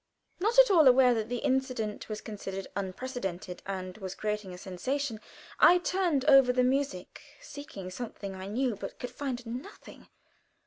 Not at all aware that the incident was considered unprecedented, and was creating a sensation, I turned over the music, seeking something I knew, but could find nothing.